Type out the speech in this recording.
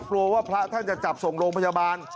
กลัวว่าพระท่านจะจับส่งโรงพยาบาล